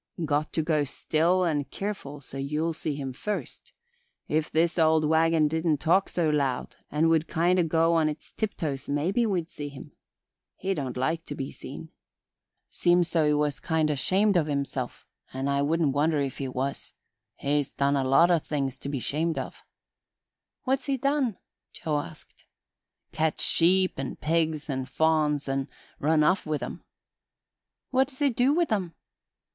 "Got to go still and careful so you'll see him first. If this old wagon didn't talk so loud and would kind o' go on its tiptoes maybe we'd see him. He don't like to be seen. Seems so he was kind o' shamed of himself, an' I wouldn't wonder if he was. He's done a lot o' things to be 'shamed of." "What's he done?" Joe asked. "Ketched sheep and pigs and fawns and run off with 'em." "What does he do with 'em?"